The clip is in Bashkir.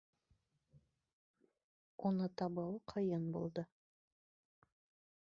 Уны табыуы ҡыйын булды.